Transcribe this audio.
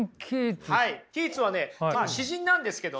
キーツはねまあ詩人なんですけどね。